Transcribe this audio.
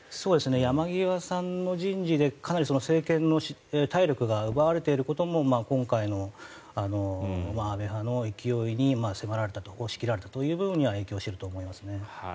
山際さんの人事でかなり政権の体力が奪われていることも今回の安倍派の勢いに迫られた押し切られたというのが影響していると思いますね。